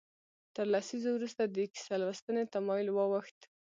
تر لسیزو وروسته د کیسه لوستنې تمایل واوښت.